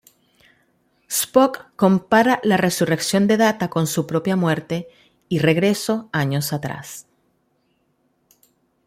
Spock compara la "resurrección" de Data con su propia muerte y regreso años atrás.